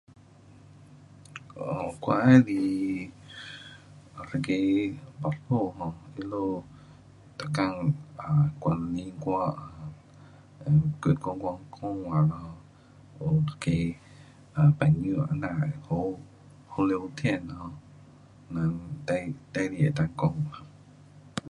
我的是一个男人 um 你们每天 um 跟我讲话有一个朋友那较好。好聊天等他可以讲话。